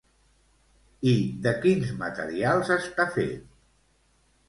I de quins materials està fet?